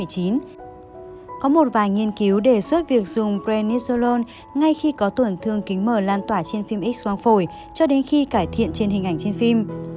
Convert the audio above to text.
có một vài nghiên cứu đề xuất việc dùng brenizolone ngay khi có tổn thương kính mờ lan tỏa trên phim x quang phổi cho đến khi cải thiện trên hình ảnh trên phim